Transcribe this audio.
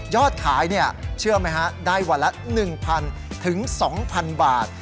ยอดขายเนี่ยเชื่อไหมฮะได้วันละ๑๐๐๐ถึง๒๐๐๐บาท